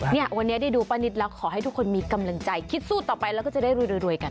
เนี่ยวันนี้ได้ดูป้านิตแล้วขอให้ทุกคนมีกำลังใจคิดสู้ต่อไปแล้วก็จะได้รวยกัน